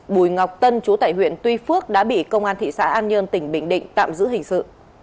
bùi ngọc tân chú tại huyện tuy phước đã bị công an thị xã an nhơn tỉnh bình định tạm giữ hình sự